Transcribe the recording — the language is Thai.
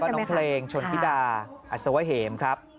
น้องเพลงชนธิดาอัศวะเหมครับ